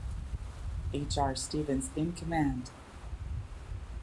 H. R. Stevens in command.